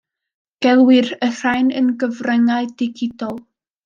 Gelwir y rhain yn gyfryngau digidol.